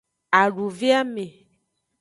Aduveame.